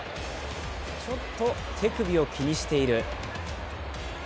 ちょっと手首を気にしている。